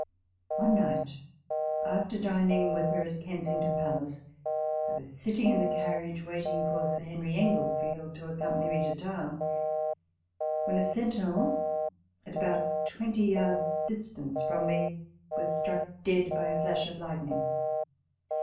One night, after dining with her at Kensington 204 RECOLLECTIONS OF THE Palace, I was sitting in the carriage, waiting for Sir Henry Englefield to accompany me to town, when a sentinel, at about twenty yards distance from me, was struck dead by a flash of lightning.